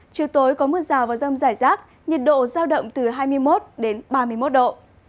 chiều tối có mưa rào và rông rải rác nhiệt độ giao động từ hai mươi một đến ba mươi một độ